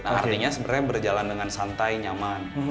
artinya sebenarnya berjalan dengan santai nyaman